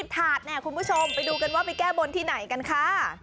ถาดเนี่ยคุณผู้ชมไปดูกันว่าไปแก้บนที่ไหนกันค่ะ